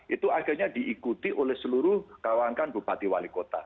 itu akhirnya diikuti oleh seluruh kawangkan bupati wali kota